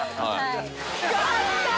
勝ったー！